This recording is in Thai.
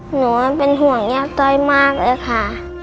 หนูมันเป็นห่วงยักษ์ต้อยมากเลยค่ะ